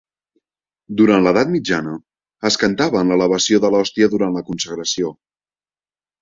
Durant l'edat mitjana es cantava en l'elevació de l'hòstia durant la consagració.